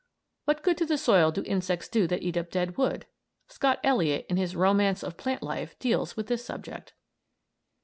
What good to the soil do the insects do that eat up dead wood? Scott Elliott, in his "Romance of Plant Life," deals with this subject.